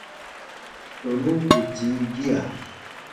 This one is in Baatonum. Tɔnu ù tii gia.